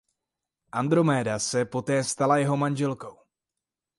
Andromeda se poté stala jeho manželkou.